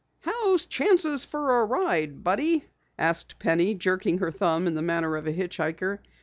"How's chances fer a ride, buddy?" asked Penny, jerking her thumb in the manner of a hitch hiker.